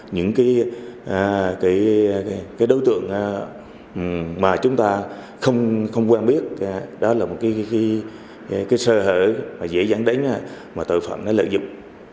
những cái đối tượng mà chúng ta không quen biết đó là một cái sơ hở dễ dàng đánh mà tội phận lợi dụng